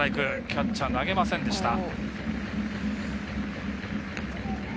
キャッチャー、投げませんでした。